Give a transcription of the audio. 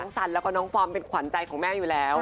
สันแล้วก็น้องฟอร์มเป็นขวัญใจของแม่อยู่แล้ว